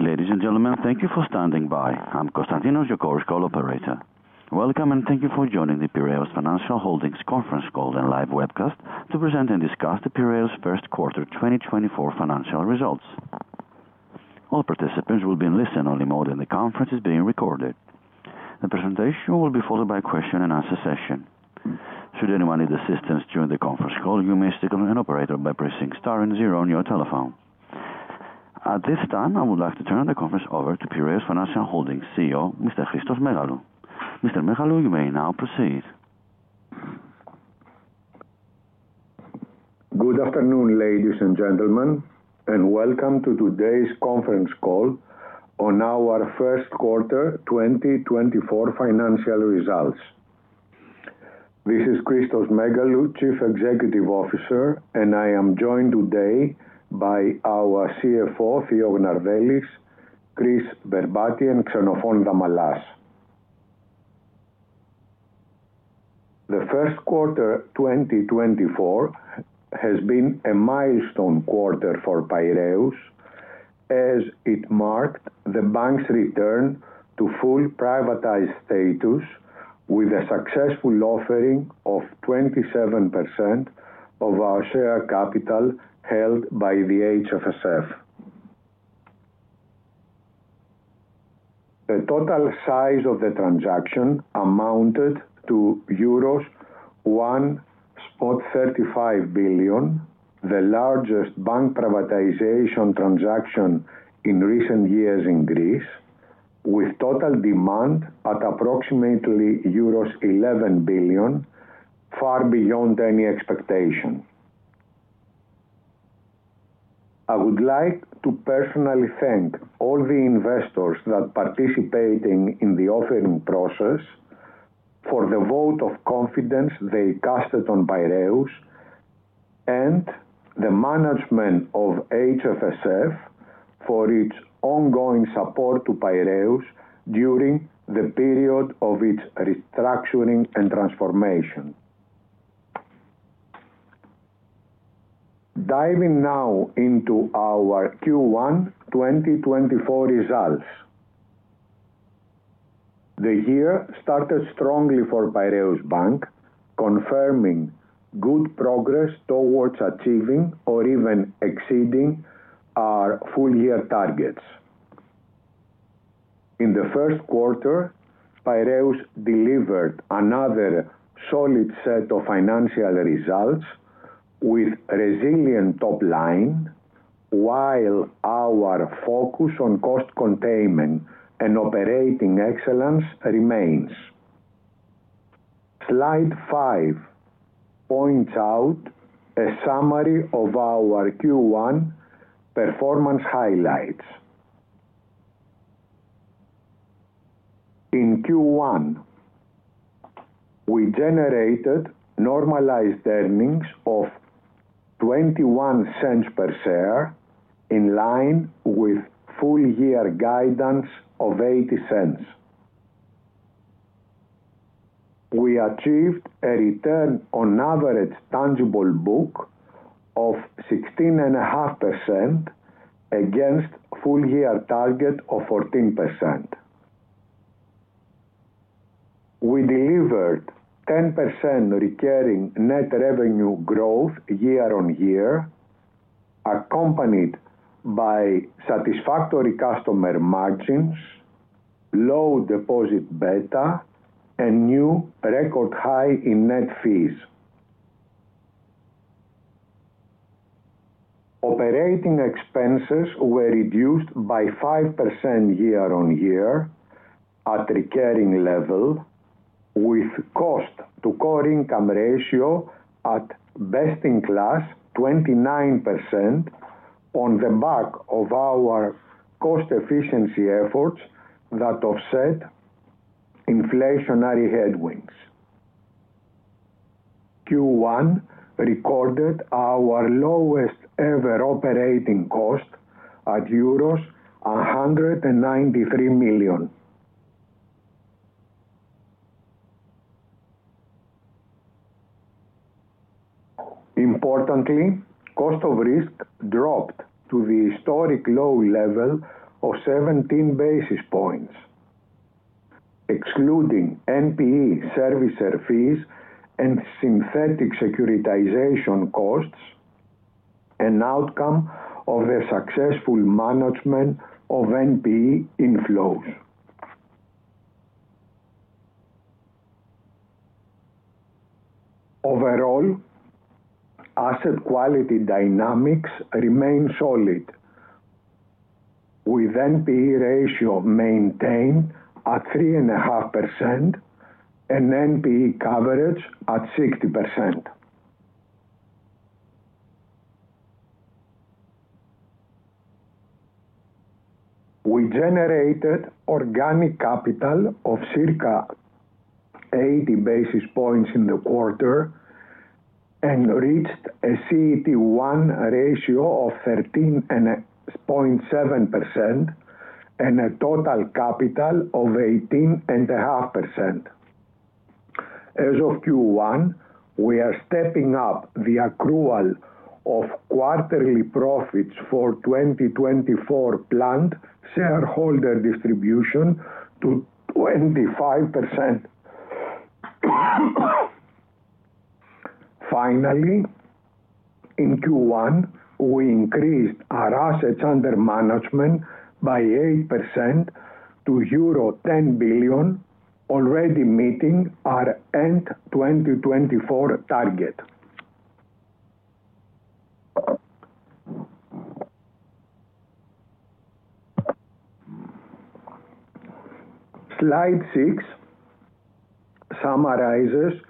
Ladies and gentlemen, thank you for standing by. I'm Constantinos, your call operator. Welcome, and thank you for joining the Piraeus Financial Holdings conference call and live webcast to present and discuss the Piraeus first quarter 2024 financial results. All participants will be in listen-only mode, and the conference is being recorded. The presentation will be followed by a question-and-answer session. Should anyone need assistance during the conference call, you may speak with an operator by pressing star and zero on your telephone. At this time, I would like to turn the conference over to Piraeus Financial Holdings CEO, Mr. Christos Megalou. Mr. Megalou, you may now proceed. Good afternoon, ladies and gentlemen, and welcome to today's conference call on our first quarter 2024 financial results. This is Christos Megalou, Chief Executive Officer, and I am joined today by our CFO, Theo Gnardellis, Chryssanthi Berbati, and Xenofon Damalas. The first quarter 2024 has been a milestone quarter for Piraeus, as it marked the bank's return to fully privatized status with a successful offering of 27% of our share capital held by the HFSF. The total size of the transaction amounted to euros 1.35 billion, the largest bank privatization transaction in recent years in Greece, with total demand at approximately euros 11 billion, far beyond any expectation. I would like to personally thank all the investors that participated in the offering process for the vote of confidence they cast on Piraeus, and the management of HFSF for its ongoing support to Piraeus during the period of its restructuring and transformation. Diving now into our Q1 2024 results. The year started strongly for Piraeus Bank, confirming good progress towards achieving or even exceeding our full-year targets. In the first quarter, Piraeus delivered another solid set of financial results with resilient top line, while our focus on cost containment and operating excellence remains. Slide 5 points out a summary of our Q1 performance highlights. In Q1, we generated normalized earnings of 0.21 per share, in line with full-year guidance of 0.80. We achieved a return on average tangible book of 16.5% against full-year target of 14%. We delivered 10% recurring net revenue growth year-on-year, accompanied by satisfactory customer margins, low deposit beta, and new record high in net fees. Operating expenses were reduced by 5% year-on-year at recurring level, with cost to core income ratio at best in class, 29%, on the back of our cost efficiency efforts that offset inflationary headwinds. Q1 recorded our lowest ever operating cost at EUR 193 million. Importantly, cost of risk dropped to the historic low level of 17 basis points, excluding NPE servicer fees and synthetic securitization costs, an outcome of the successful management of NPE inflows. Overall, asset quality dynamics remain solid, with NPE ratio maintained at 3.5% and NPE coverage at 60%. We generated organic capital of circa 80 basis points in the quarter and reached a CET1 ratio of 13.7%, and a total capital of 18.5%. As of Q1, we are stepping up the accrual of quarterly profits for 2024 planned shareholder distribution to 25%. Finally, in Q1, we increased our assets under management by 8% to euro 10 billion, already meeting our end 2024 target. Slide 6 summarizes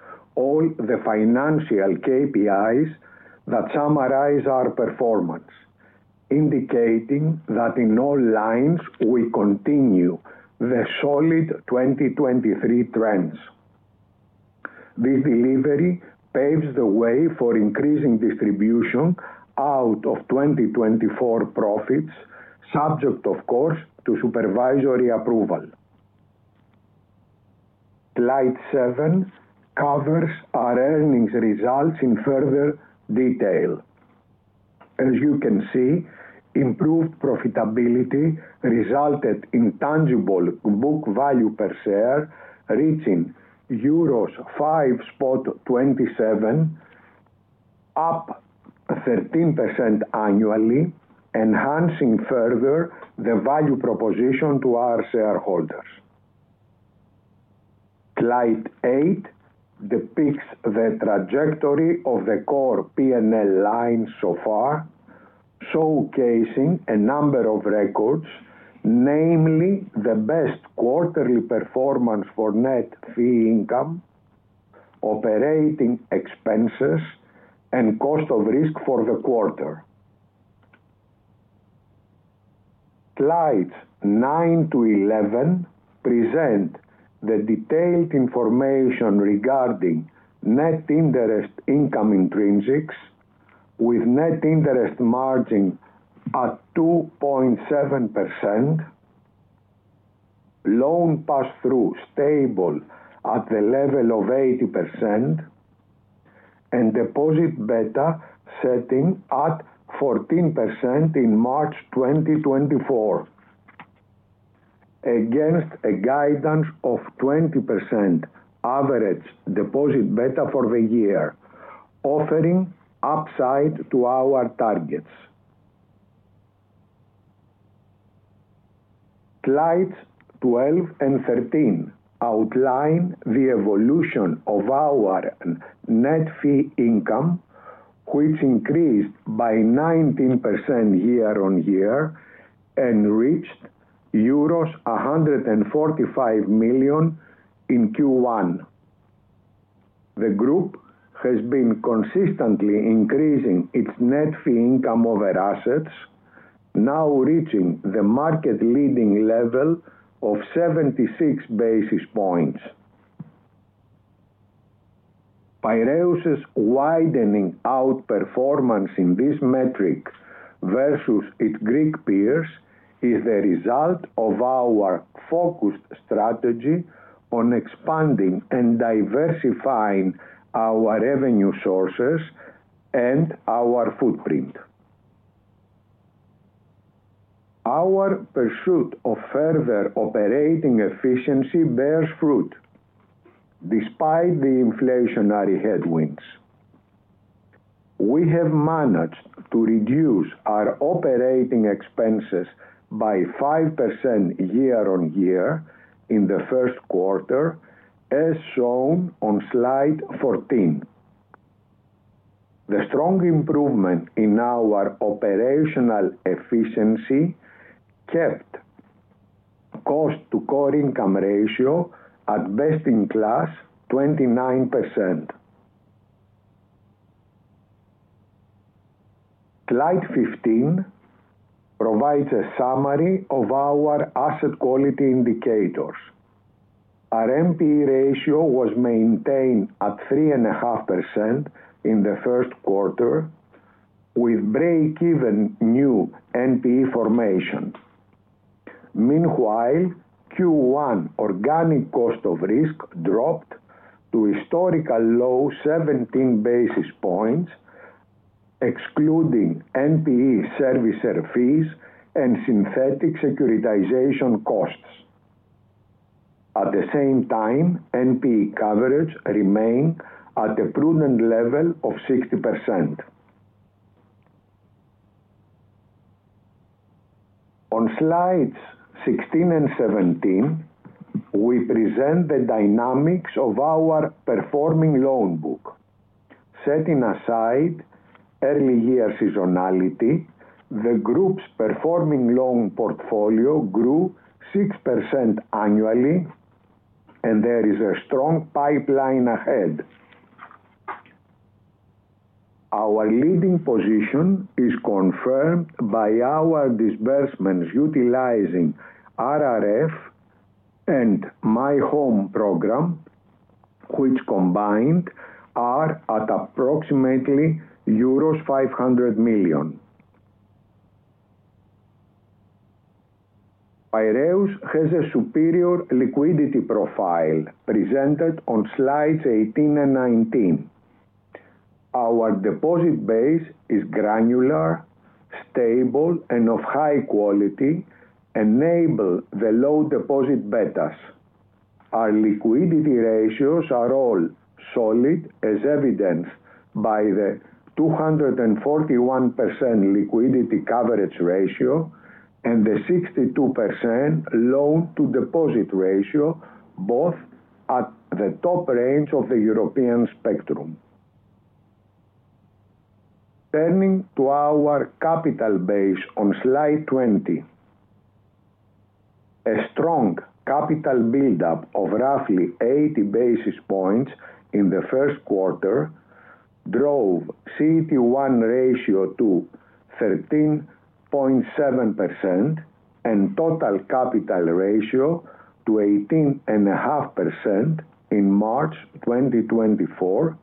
all the financial KPIs that summarize our performance, indicating that in all lines, we continue the solid 2023 trends. This delivery paves the way for increasing distribution out of 2024 profits, subject, of course, to supervisory approval. Slide 7 covers our earnings results in further detail. As you can see, improved profitability resulted in tangible book value per share, reaching euros 5.27, up 13% annually, enhancing further the value proposition to our shareholders. Slide 8 depicts the trajectory of the core P&L line so far, showcasing a number of records, namely the best quarterly performance for net fee income, operating expenses, and cost of risk for the quarter. Slides 9-11 present the detailed information regarding net interest income intrinsics, with net interest margin at 2.7%, loan pass-through stable at the level of 80%, and deposit beta setting at 14% in March 2024, against a guidance of 20% average deposit beta for the year, offering upside to our targets. Slides 12 and 13 outline the evolution of our net fee income, which increased by 19% year-on-year and reached euros 145 million in Q1. The group has been consistently increasing its net fee income over assets, now reaching the market-leading level of 76 basis points. Piraeus's widening outperformance in this metric versus its Greek peers is the result of our focused strategy on expanding and diversifying our revenue sources and our footprint. Our pursuit of further operating efficiency bears fruit, despite the inflationary headwinds. We have managed to reduce our operating expenses by 5% year-on-year in the first quarter, as shown on slide 14. The strong improvement in our operational efficiency kept cost to core income ratio at best in class, 29%. Slide 15 provides a summary of our asset quality indicators. Our NPE ratio was maintained at 3.5% in the first quarter, with break even new NPE formations. Meanwhile, Q1 organic cost of risk dropped to historical low 17 basis points, excluding NPE servicer fees and synthetic securitization costs. At the same time, NPE coverage remained at a prudent level of 60%. On slides 16 and 17, we present the dynamics of our performing loan book. Setting aside early year seasonality, the group's performing loan portfolio grew 6% annually, and there is a strong pipeline ahead. Our leading position is confirmed by our disbursements utilizing RRF and My Home program, which combined are at approximately EUR 500 million.... Piraeus has a superior liquidity profile presented on slides 18 and 19. Our deposit base is granular, stable, and of high quality, enable the low deposit betas. Our liquidity ratios are all solid, as evidenced by the 241% liquidity coverage ratio and the 62% loan to deposit ratio, both at the top range of the European spectrum. Turning to our capital base on slide 20. A strong capital buildup of roughly 80 basis points in the first quarter drove CET1 ratio to 13.7% and total capital ratio to 18.5% in March 2024,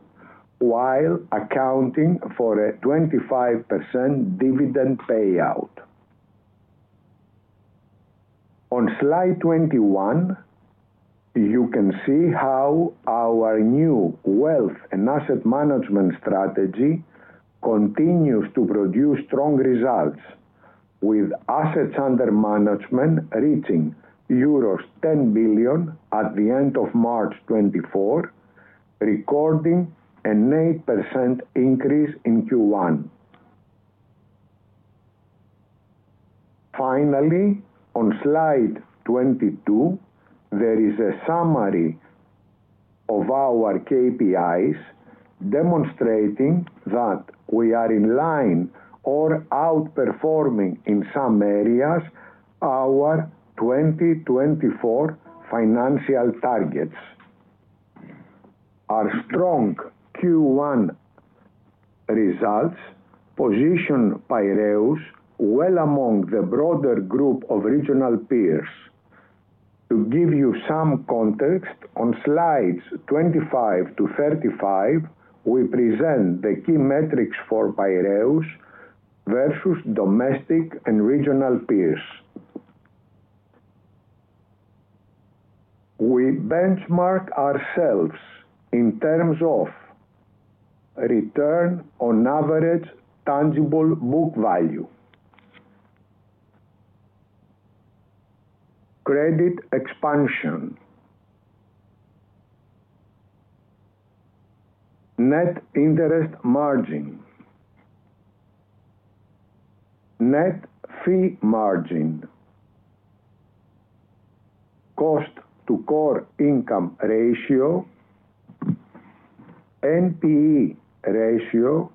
while accounting for a 25% dividend payout. On slide 21, you can see how our new wealth and asset management strategy continues to produce strong results, with assets under management reaching euros 10 billion at the end of March 2024, recording an 8% increase in Q1. Finally, on slide 22, there is a summary of our KPIs, demonstrating that we are in line or outperforming in some areas, our 2024 financial targets. Our strong Q1 results position Piraeus well among the broader group of regional peers. To give you some context, on slides 25-35, we present the key metrics for Piraeus versus domestic and regional peers. We benchmark ourselves in terms of return on average tangible book value, credit expansion, net interest margin, net fee margin, cost to core income ratio, NPE ratio,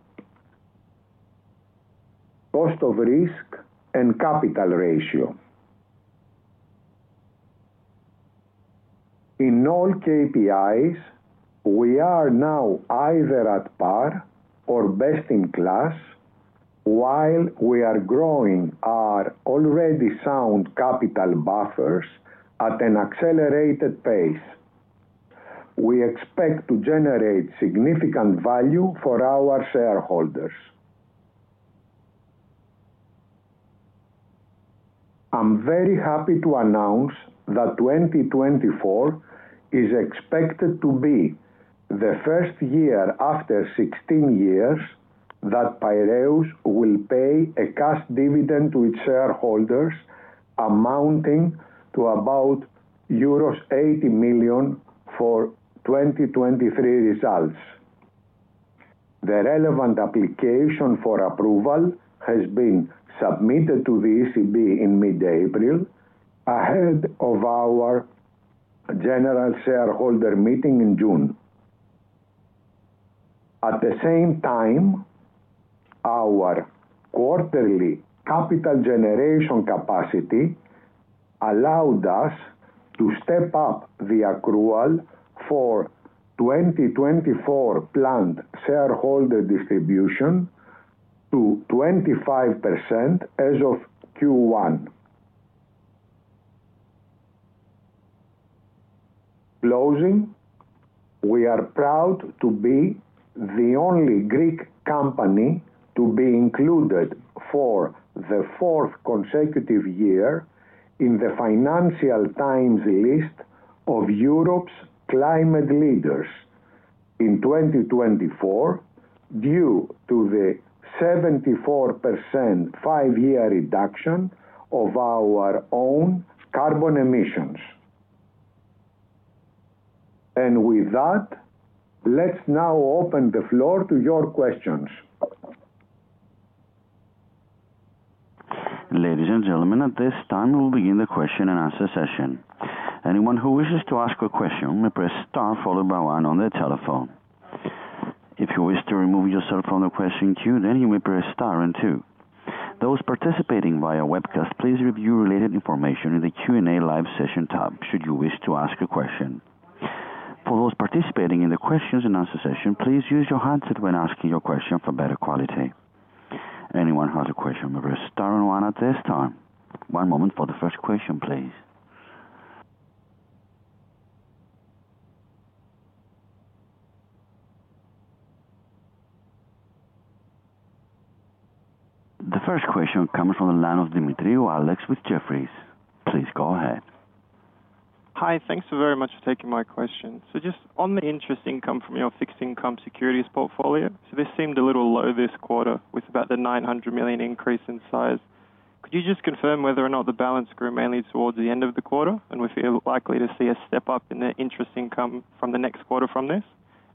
cost of risk, and capital ratio. In all KPIs, we are now either at par or best in class, while we are growing our already sound capital buffers at an accelerated pace. We expect to generate significant value for our shareholders. I'm very happy to announce that 2024 is expected to be the first year after 16 years, that Piraeus will pay a cash dividend to its shareholders, amounting to about euros 80 million for 2023 results. The relevant application for approval has been submitted to the ECB in mid-April, ahead of our general shareholder meeting in June. At the same time, our quarterly capital generation capacity allowed us to step up the accrual for 2024 planned shareholder distribution to 25% as of Q1 closing. We are proud to be the only Greek company to be included for the fourth consecutive year in the Financial Times list of Europe's climate leaders in 2024, due to the 74% five-year reduction of our own carbon emissions. With that, let's now open the floor to your questions. Ladies and gentlemen, at this time, we'll begin the question and answer session. Anyone who wishes to ask a question, may press star followed by one on their telephone. If you wish to remove yourself from the question queue, then you may press star and two. Those participating via webcast, please review related information in the Q&A live session tab, should you wish to ask a question. For those participating in the questions and answer session, please use your handset when asking your question for better quality. Anyone who has a question, may press star and one at this time. One moment for the first question, please. The first question comes from the line of Alex Demetriou with Jefferies. Please go ahead. Hi, thanks so very much for taking my question. Just on the interest income from your fixed income securities portfolio, this seemed a little low this quarter with about the 900 million increase in size. Could you just confirm whether or not the balance grew mainly towards the end of the quarter, and we feel likely to see a step up in the interest income from the next quarter from this?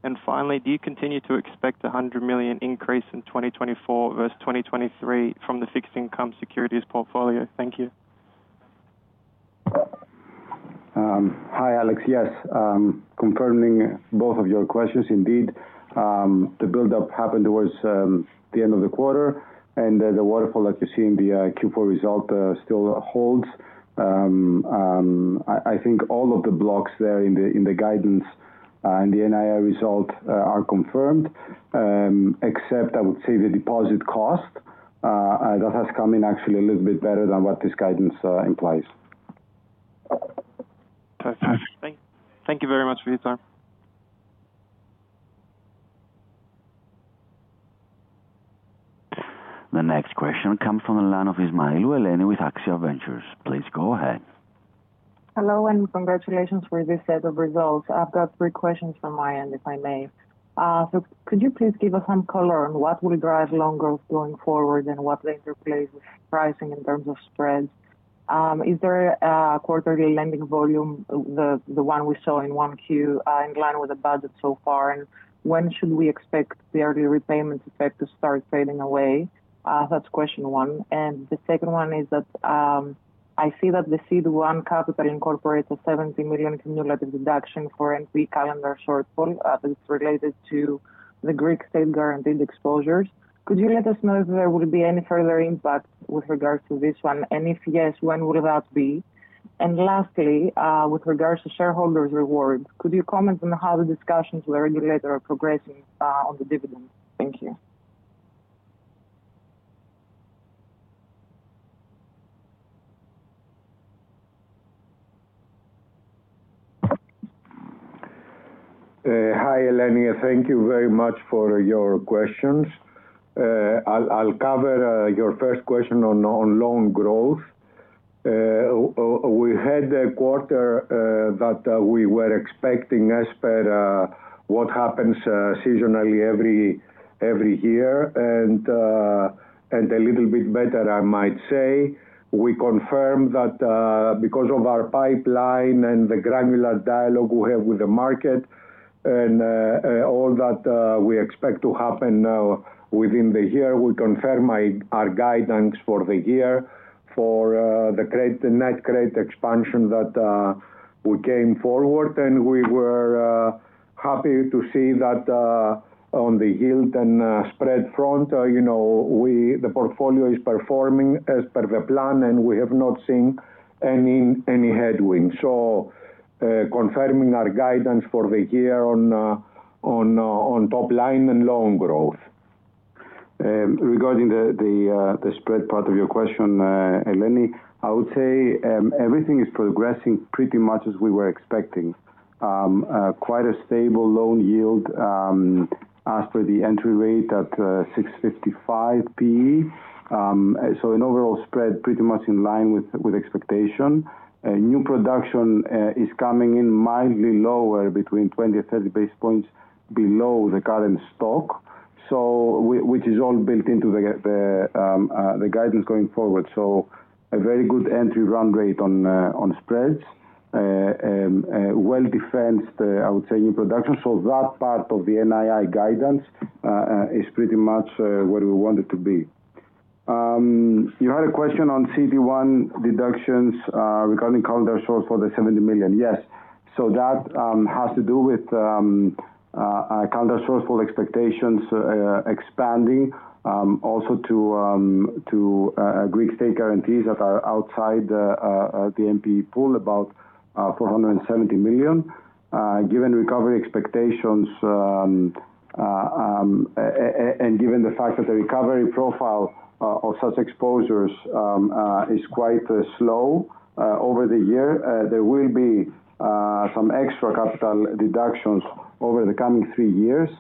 And finally, do you continue to expect a 100 million increase in 2024 versus 2023 from the fixed income securities portfolio? Thank you. Hi, Alex. Yes, confirming both of your questions indeed, the buildup happened towards the end of the quarter, and then the waterfall that you see in the Q4 result still holds. I think all of the blocks there in the guidance and the NII result are confirmed, except I would say the deposit cost that has come in actually a little bit better than what this guidance implies. Perfect. Thank you very much for your time. The next question comes from the line of Aleena Ismail with Axia Ventures. Please go ahead. Hello, and congratulations for this set of results. I've got three questions from my end, if I may. So could you please give us some color on what will drive loan growth going forward and what the interplay with pricing in terms of spreads? Is there a quarterly lending volume, the one we saw in 1Q, in line with the budget so far? And when should we expect the early repayment effect to start fading away? That's question one. And the second one is that, I see that the CET1 capital incorporates a 70 million cumulative deduction for NPE capital shortfall, that's related to the Greek state guaranteed exposures. Could you let us know if there would be any further impact with regards to this one? And if yes, when would that be? Lastly, with regards to shareholders rewards, could you comment on how the discussions with the regulator are progressing on the dividend? Thank you. Hi, Eleni, thank you very much for your questions. I'll cover your first question on loan growth. We had a quarter that we were expecting as per what happens seasonally every year, and a little bit better, I might say. We confirm that, because of our pipeline and the granular dialogue we have with the market and all that we expect to happen within the year, we confirm our guidance for the year, for the credit, the net credit expansion that we came forward, and we were happy to see that, on the yield and spread front, you know, we... The portfolio is performing as per the plan, and we have not seen any headwind. So, confirming our guidance for the year on top line and loan growth. Regarding the spread part of your question, Eleni, I would say everything is progressing pretty much as we were expecting. Quite a stable loan yield as per the entry rate at 6.55 p.a. So an overall spread pretty much in line with expectation. New production is coming in mildly lower, between 20-30 basis points below the current stock, so which is all built into the guidance going forward. So a very good entry run rate on spreads, well defended, I would say, new production. So that part of the NII guidance is pretty much where we want it to be. You had a question on CET1 deductions, regarding counterparty shortfall the 70 million. Yes. So that has to do with counterparty shortfall expectations, expanding also to Greek state guarantees that are outside the NPE pool, about 470 million. Given recovery expectations, and given the fact that the recovery profile of such exposures is quite slow over the year, there will be some extra capital deductions over the coming three years.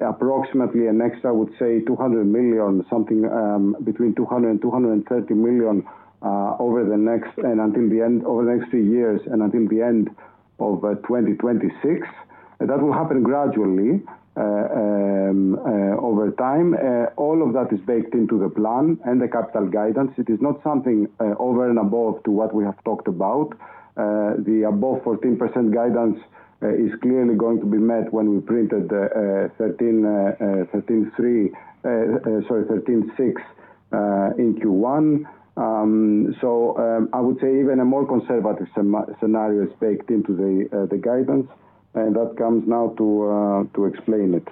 Approximately, a next, I would say, 200 million, something between 200 million and 230 million, over the next and until the end, over the next three years and until the end of 2026. That will happen gradually over time. All of that is baked into the plan and the capital guidance. It is not something over and above to what we have talked about. The above 14% guidance is clearly going to be met when we printed 13.6 in Q1. So, I would say even a more conservative scenario is baked into the guidance, and that comes now to explain it.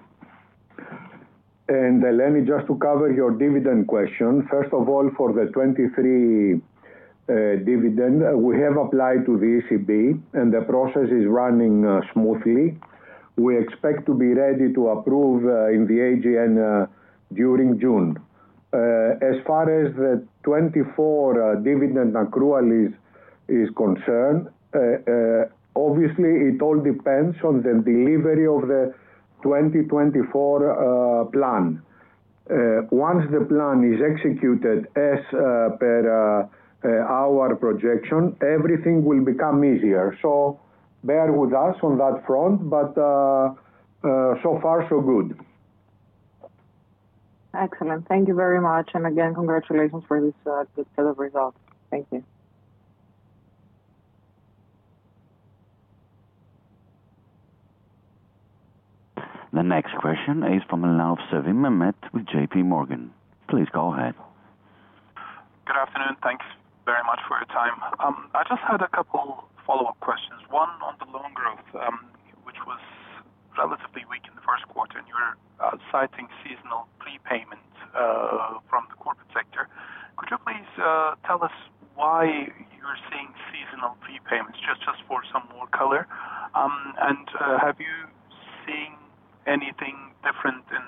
Eleni, just to cover your dividend question. First of all, for the 2023 dividend, we have applied to the ECB, and the process is running smoothly. We expect to be ready to approve in the AGM during June. As far as the 2024 dividend accrual is- is concerned, obviously, it all depends on the delivery of the 2024 plan. Once the plan is executed as per our projection, everything will become easier. So bear with us on that front, but so far so good. Excellent. Thank you very much, and again, congratulations for this good set of results. Thank you. The next question is from the line of Mehmet Sevim with J.P. Morgan. Please go ahead. Good afternoon. Thanks very much for your time. I just had a couple follow-up questions. One, on the loan growth, which was relatively weak in the first quarter, and you were citing seasonal prepayment from the corporate sector. Could you please tell us why you're seeing seasonal prepayments, just for some more color? And have you seen anything different in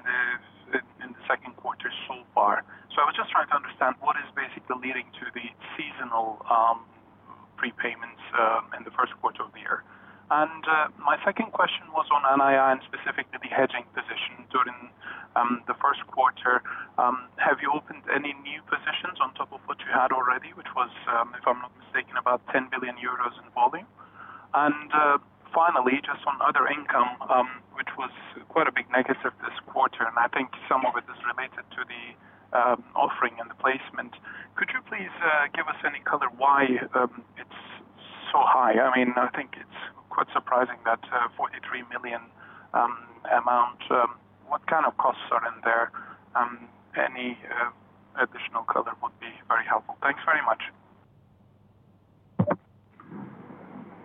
the second quarter so far? So I was just trying to understand, what is basically leading to the seasonal prepayments in the first quarter of the year. And my second question was on NII, and specifically the hedging position during the first quarter. Have you opened any new positions on top of what you had already, which was, if I'm not mistaken, about 10 billion euros in volume? Finally, just on other income, which was quite a big negative this quarter, and I think some of it is related to the offering and the placement. Could you please give us any color why it's so high? I mean, I think it's quite surprising, that 43 million amount. What kind of costs are in there? Any additional color would be very helpful. Thanks very much.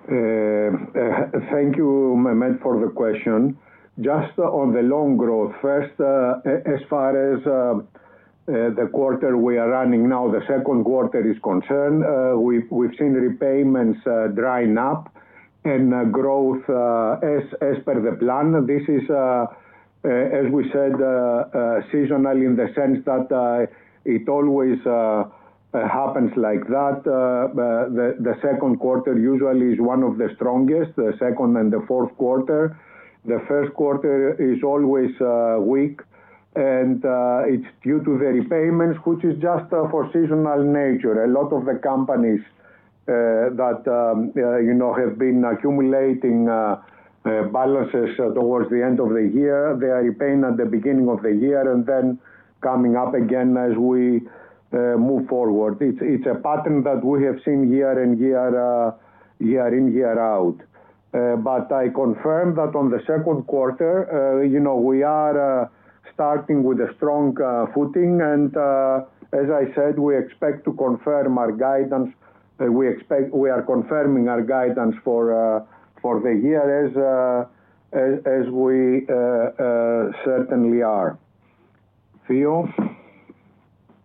Thank you, Mehmet, for the question. Just on the loan growth, first, as far as the quarter we are running now, the second quarter is concerned, we've seen repayments drying up and growth as per the plan. This is, as we said, seasonally, in the sense that it always happens like that. The second quarter usually is one of the strongest, the second and the fourth quarter. The first quarter is always weak, and it's due to the repayments, which is just for seasonal nature. A lot of the companies that you know have been accumulating balances towards the end of the year, they are repaying at the beginning of the year and then coming up again as we move forward. It's a pattern that we have seen year in, year out. But I confirm that on the second quarter, you know, we are starting with a strong footing. As I said, we expect to confirm our guidance. We expect. We are confirming our guidance for the year, as we certainly are. Theo?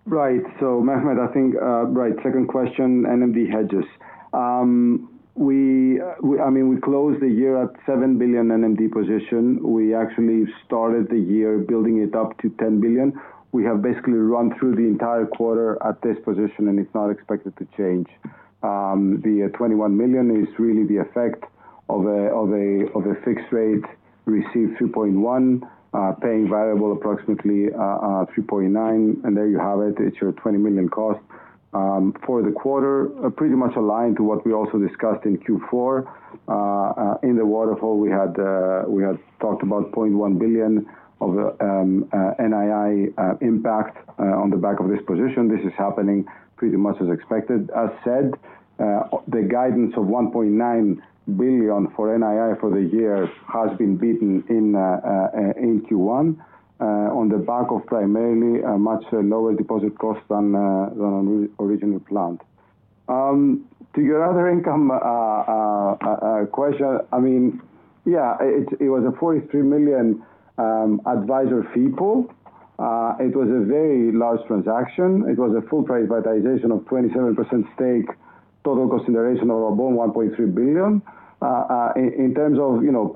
Right. So, Mehmet, I think, right, second question, NMD hedges. I mean, we closed the year at 7 billion NMD position. We actually started the year building it up to 10 billion. We have basically run through the entire quarter at this position, and it's not expected to change. The 21 million is really the effect of a fixed rate, received 3.1, paying variable approximately 3.9, and there you have it. It's your 20 million cost. For the quarter, pretty much aligned to what we also discussed in Q4. In the waterfall we had talked about 0.1 billion of NII impact on the back of this position. This is happening pretty much as expected. As said, the guidance of 1.9 billion for NII for the year has been beaten in Q1 on the back of primarily a much lower deposit cost than originally planned. To your other income question, I mean, yeah, it was a 43 million advisory fee pool. It was a very large transaction. It was a full privatization of 27% stake, total consideration of above 1.3 billion. In terms of, you know,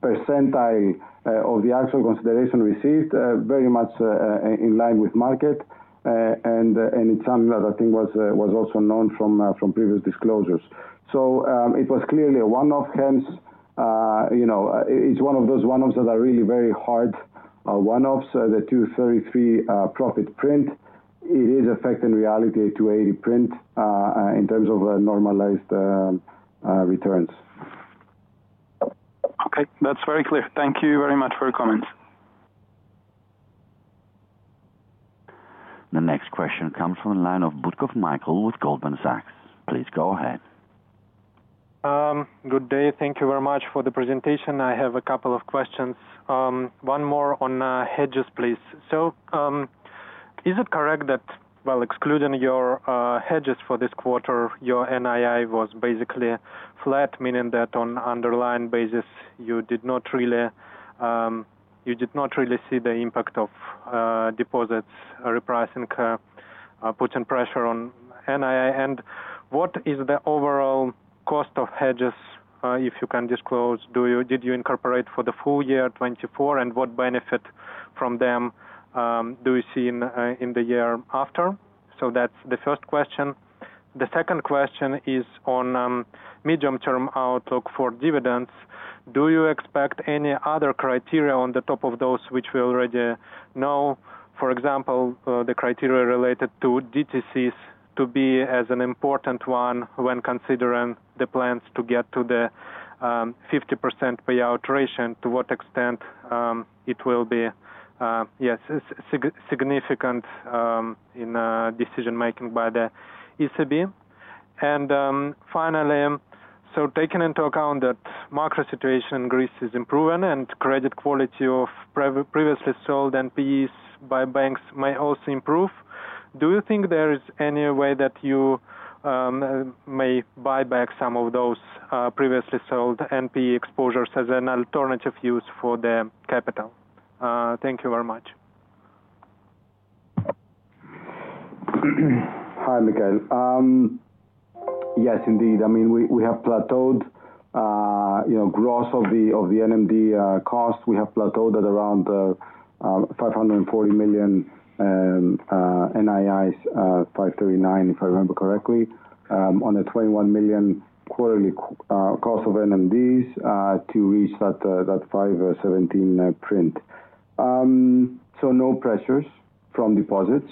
percentage of the actual consideration received, very much in line with market. And in some, that I think was also known from previous disclosures. It was clearly a one-off, hence, you know, it's one of those one-offs that are really very hard, one-offs. The 233 profit print, it is affecting reality to 80 print, in terms of the normalized returns. Okay, that's very clear. Thank you very much for your comments. The next question comes from the line of Mikhail Butkov with Goldman Sachs. Please go ahead. Good day. Thank you very much for the presentation. I have a couple of questions. One more on hedges, please. So, is it correct that, while excluding your hedges for this quarter, your NII was basically flat, meaning that on underlying basis, you did not really see the impact of deposits repricing putting pressure on NII? And what is the overall cost of hedges, if you can disclose, did you incorporate for the full year 2024, and what benefit from them do you see in the year after? So that's the first question. The second question is on medium-term outlook for dividends. Do you expect any other criteria on the top of those which we already know, for example, the criteria related to DTCs, to be as an important one when considering the plans to get to the 50% payout ratio, and to what extent it will be, yes, significant in decision-making by the ECB? And, finally, so taking into account that macro situation in Greece is improving and credit quality of previously sold NPEs by banks may also improve, do you think there is any way that you may buy back some of those previously sold NPE exposures as an alternative use for the capital? Thank you very much. Hi, Mikhail. Yes, indeed. I mean, we, we have plateaued, you know, gross of the, of the NMD, cost, we have plateaued at around, 540 million, NII, 539, if I remember correctly, on a 21 million quarterly, cost of NMDs, to reach that, that 517, print. So no pressures from deposits.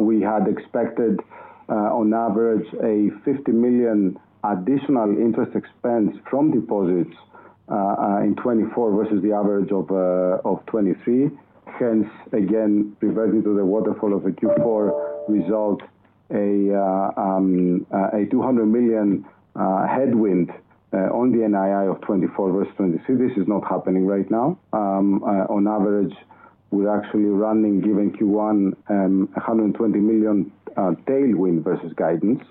We had expected, on average, a 50 million additional interest expense from deposits, in 2024 versus the average of, of 2023. Hence, again, reverting to the waterfall of the Q4 result, a, a 200 million, headwind, on the NII of 2024 versus 2023. This is not happening right now. On average, we're actually running, given Q1, 120 million tailwind versus guidance,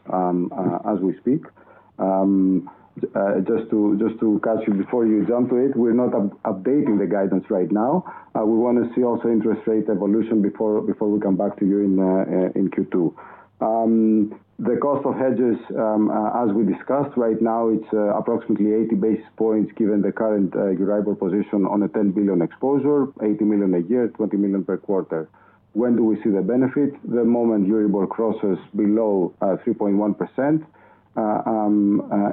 as we speak. Just to catch you before you jump to it, we're not updating the guidance right now. We want to see also interest rate evolution before we come back to you in Q2. The cost of hedges, as we discussed right now, it's approximately 80 basis points, given the current Euribor position on a 10 billion exposure, 80 million a year, 20 million per quarter. When do we see the benefit? The moment Euribor crosses below 3.1%,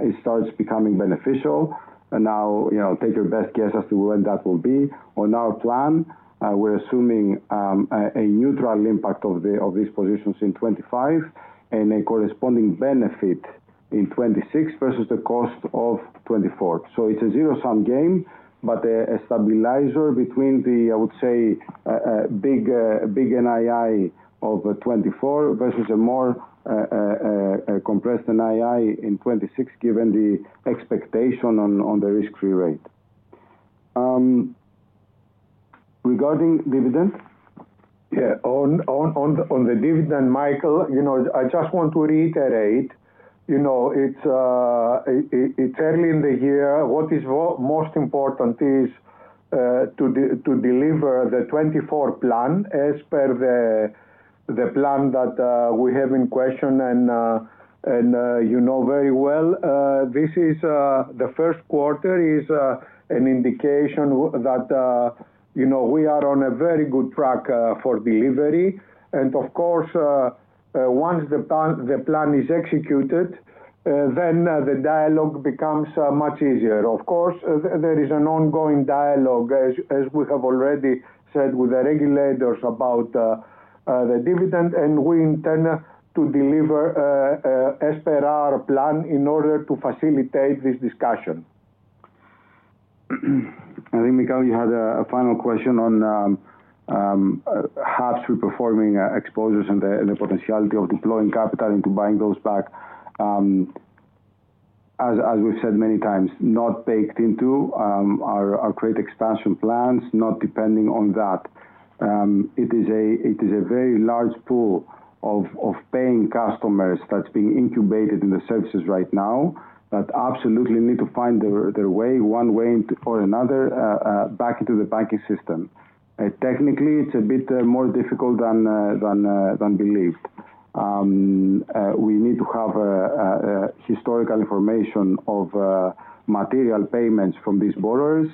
it starts becoming beneficial. And now, you know, take your best guess as to when that will be. On our plan, we're assuming a neutral impact of these positions in 2025, and a corresponding benefit in 2026 versus the cost of 2024. So it's a zero-sum game, but a stabilizer between the, I would say, big NII of 2024 versus a more compressed NII in 2026, given the expectation on the risk-free rate. Regarding dividends? Yeah, on the dividend, Mikhail, you know, I just want to reiterate, you know, it's early in the year. What is most important is to deliver the 2024 plan as per the plan that we have in question, and you know very well. This is... The first quarter is an indication that, you know, we are on a very good track for delivery. Of course, once the plan is executed, then the dialogue becomes much easier. Of course, there is an ongoing dialogue, as we have already said, with the regulators about the dividend, and we intend to deliver as per our plan in order to facilitate this discussion. I think, Mikhail, you had a final question on HAPS underperforming exposures and the potentiality of deploying capital into buying those back. As we've said many times, not baked into our credit expansion plans, not depending on that. It is a very large pool of paying customers that's being incubated in the services right now, that absolutely need to find their way, one way or another, back into the banking system. Technically, it's a bit more difficult than believed. We need to have historical information of material payments from these borrowers.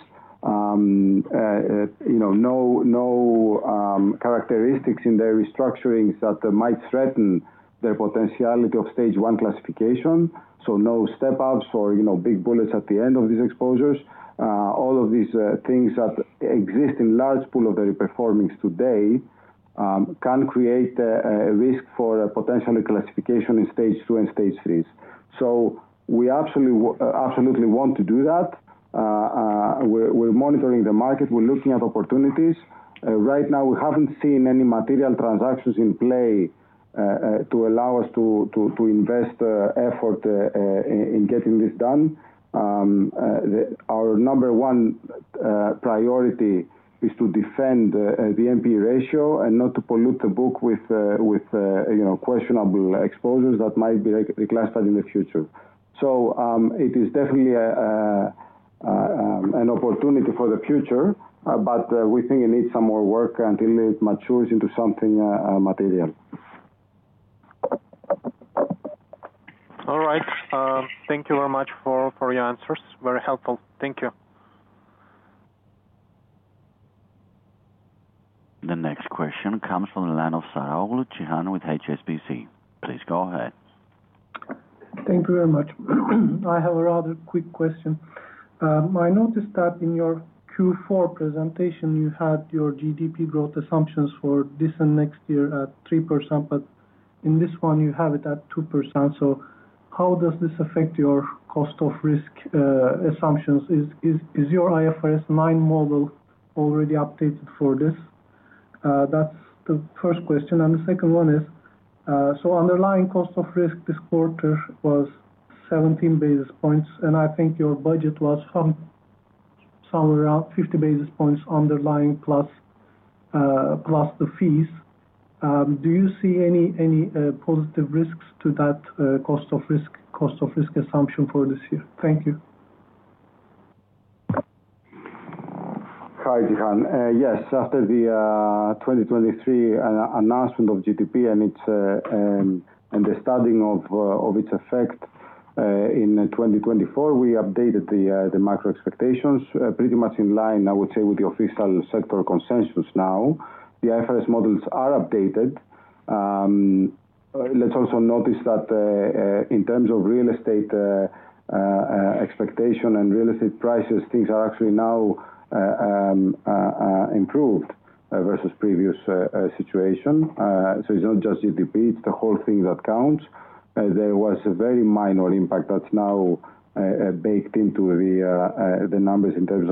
You know, no characteristics in their restructurings that might threaten the potentiality of stage one classification, so no step-ups or, you know, big bullets at the end of these exposures. All of these things that exist in large pool of the performings today can create a risk for a potential reclassification in stage two and stage threes. So we absolutely want to do that. We're monitoring the market, we're looking at opportunities. Right now, we haven't seen any material transactions in play to allow us to invest effort in getting this done. Our number one priority is to defend the NPE ratio and not to pollute the book with, you know, questionable exposures that might be reclassified in the future. So, it is definitely an opportunity for the future, but we think it needs some more work until it matures into something material. ... All right, thank you very much for, for your answers. Very helpful. Thank you. The next question comes from the line of Cihan Saraoğlu with HSBC. Please go ahead. Thank you very much. I have a rather quick question. I noticed that in your Q4 presentation, you had your GDP growth assumptions for this and next year at 3%, but in this one you have it at 2%. So how does this affect your cost of risk assumptions? Is your IFRS 9 model already updated for this? That's the first question, and the second one is, so underlying cost of risk this quarter was 17 basis points, and I think your budget was from somewhere around 50 basis points underlying plus the fees. Do you see any positive risks to that cost of risk assumption for this year? Thank you. Hi, Cihan. Yes, after the 2023 announcement of GDP and its and the studying of its effect in 2024, we updated the macro expectations pretty much in line, I would say, with the official sector consensus now. The IFRS models are updated. Let's also notice that in terms of real estate expectation and real estate prices, things are actually now improved versus previous situation. So it's not just GDP, it's the whole thing that counts. There was a very minor impact that's now baked into the numbers in terms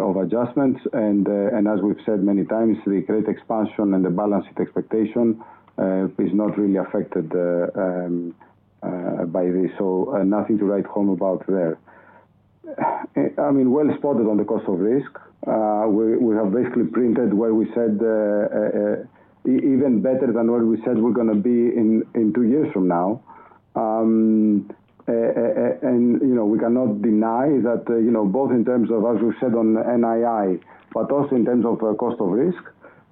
of adjustments. As we've said many times, the credit expansion and the balance sheet expectation is not really affected by this, so nothing to write home about there. I mean, well spotted on the cost of risk. We have basically printed where we said, even better than what we said we're gonna be in two years from now. You know, we cannot deny that, you know, both in terms of, as we said, on NII, but also in terms of cost of risk,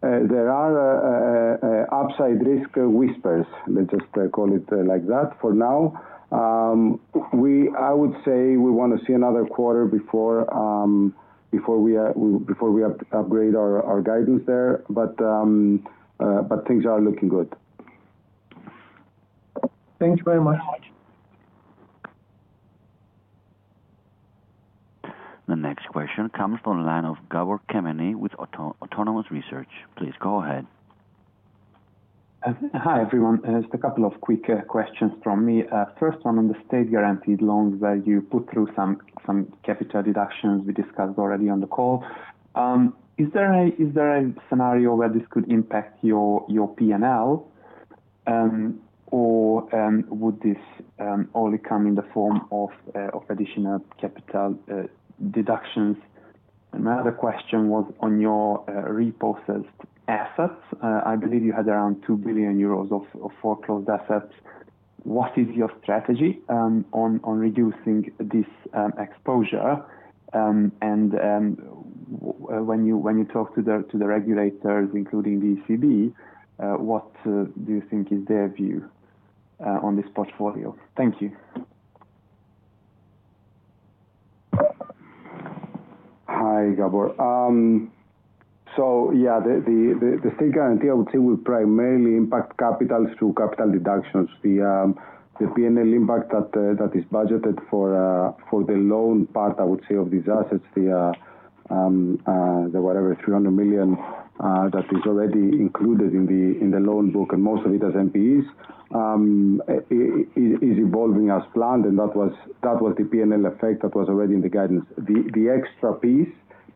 there are upside risk whispers. Let's just call it like that for now. I would say we want to see another quarter before we upgrade our guidance there, but things are looking good. Thanks very much. The next question comes from the line of Gabor Kemeny with Autonomous Research. Please go ahead. Hi, everyone. Just a couple of quick questions from me. First one, on the state-guaranteed loans where you put through some capital deductions we discussed already on the call. Is there a scenario where this could impact your P&L? Or would this only come in the form of additional capital deductions? And my other question was on your repossessed assets. I believe you had around 2 billion euros of foreclosed assets. What is your strategy on reducing this exposure? And when you talk to the regulators, including the ECB, what do you think is their view on this portfolio? Thank you. Hi, Gabor. So yeah, the state guarantee, I would say, will primarily impact capital through capital deductions. The P&L impact that is budgeted for the loan part, I would say, of these assets, the whatever, 300 million that is already included in the loan book, and most of it is NPEs, is evolving as planned, and that was the P&L effect that was already in the guidance. The extra piece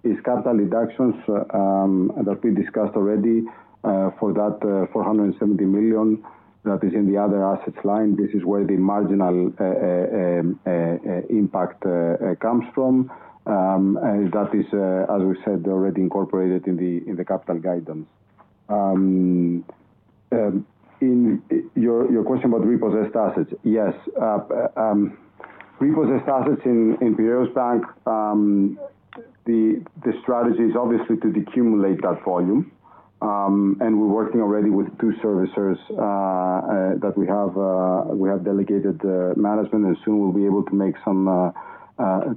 is capital reductions that we discussed already for that 470 million that is in the other assets line. This is where the marginal impact comes from. And that is, as we said, already incorporated in the capital guidance. In your question about repossessed assets, yes. Repossessed assets in Piraeus Bank, the strategy is obviously to decumulate that volume. And we're working already with two servicers that we have delegated management, and soon we'll be able to make some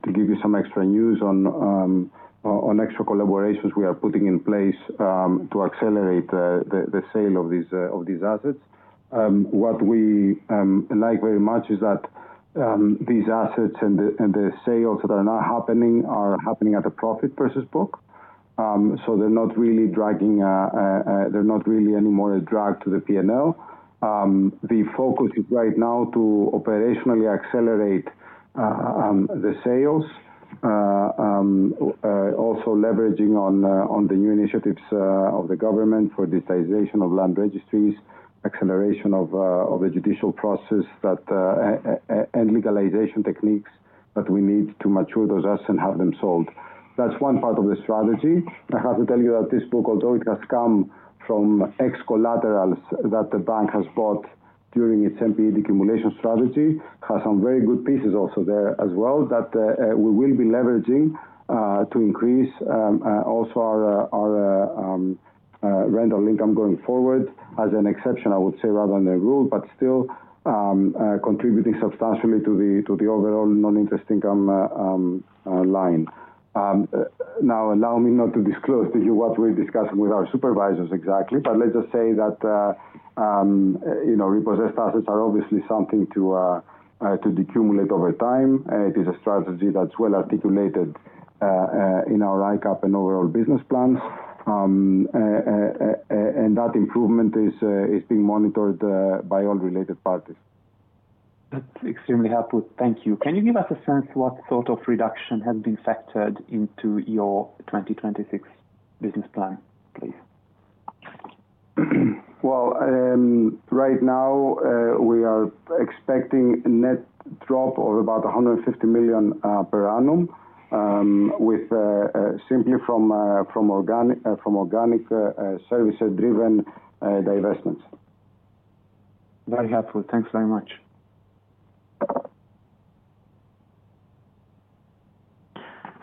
to give you some extra news on extra collaborations we are putting in place to accelerate the sale of these of these assets. What we like very much is that these assets and the sales that are now happening are happening at a profit versus book. So they're not really dragging, they're not really any more a drag to the P&L. The focus is right now to operationally accelerate the sales, also leveraging on the new initiatives of the government for digitization of land registries, acceleration of the judicial process that and legalization techniques that we need to mature those assets and have them sold. That's one part of the strategy. I have to tell you that this book, although it has come from ex-collaterals that the bank has bought during its NPE deaccumulation strategy, has some very good pieces also there as well that we will be leveraging to increase also our rental income going forward. As an exception, I would say, rather than the rule, but still contributing substantially to the overall non-interest income line. Now allow me not to disclose to you what we're discussing with our supervisors exactly, but let's just say that, you know, repossessed assets are obviously something to decumulate over time. It is a strategy that's well articulated in our ICAAP and overall business plans. That improvement is being monitored by all related parties. That's extremely helpful. Thank you. Can you give us a sense what sort of reduction has been factored into your 2026 business plan, please? Well, right now, we are expecting a net drop of about 150 million per annum. With simply from organic service-driven divestments. Very helpful. Thanks very much.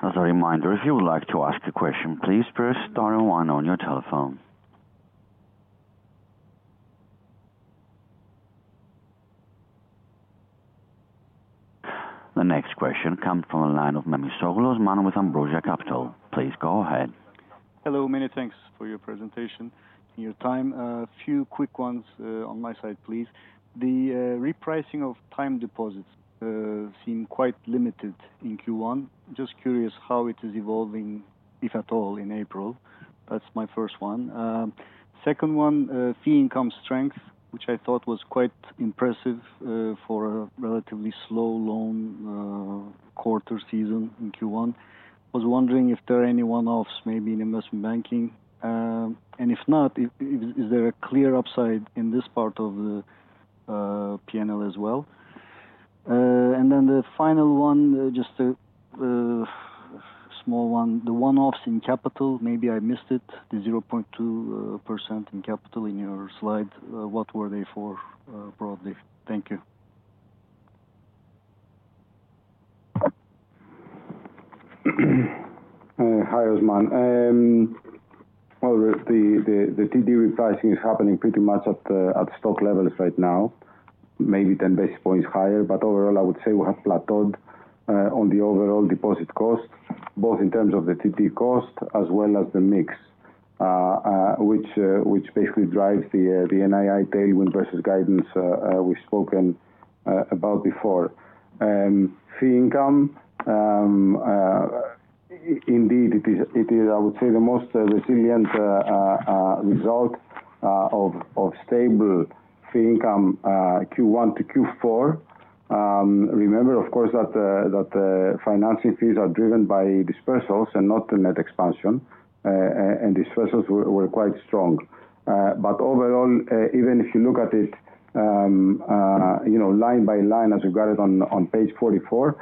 As a reminder, if you would like to ask a question, please press star one on your telephone. The next question comes from the line of Osman Memisoglu with Ambrosia Capital. Please go ahead. Hello, many thanks for your presentation and your time. A few quick ones on my side, please. The repricing of time deposits seem quite limited in Q1. Just curious how it is evolving, if at all, in April. That's my first one. Second one, fee income strength, which I thought was quite impressive, for a relatively slow, long quarter season in Q1. I was wondering if there are any one-offs, maybe in investment banking? And if not, is there a clear upside in this part of the PNL as well? And then the final one, just a small one, the one-offs in capital, maybe I missed it, the 0.2% in capital in your slide. What were they for, broadly? Thank you. Hi, Osman. Well, the TD repricing is happening pretty much at stock levels right now, maybe 10 basis points higher. But overall, I would say we have plateaued on the overall deposit cost, both in terms of the TD cost as well as the mix, which basically drives the NII tailwind versus guidance we've spoken about before. Fee income, indeed, it is, I would say, the most resilient result of stable fee income Q1 to Q4. Remember, of course, that the financing fees are driven by disbursements and not the net expansion, and disbursements were quite strong. But overall, even if you look at it, you know, line by line, as we got it on page 44,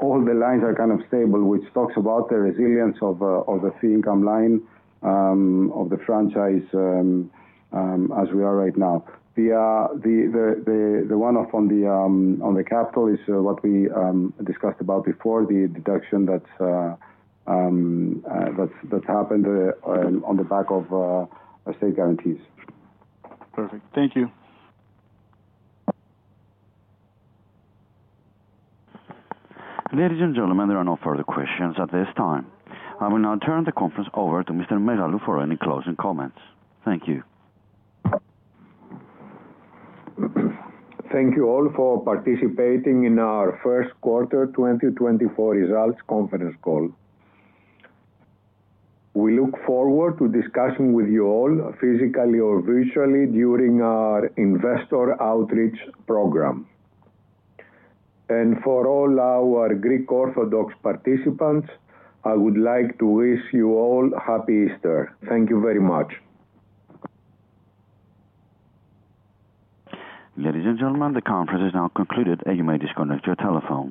all the lines are kind of stable, which talks about the resilience of the fee income line, of the franchise, as we are right now. The one-off on the capital is what we discussed about before, the deduction that happened on the back of our state guarantees. Perfect. Thank you. Ladies and gentlemen, there are no further questions at this time. I will now turn the conference over to Mr. Megalou for any closing comments. Thank you. Thank you all for participating in our first quarter 2024 results conference call. We look forward to discussing with you all, physically or virtually, during our investor outreach program. For all our Greek Orthodox participants, I would like to wish you all Happy Easter. Thank you very much. Ladies and gentlemen, the conference is now concluded, and you may disconnect your telephone.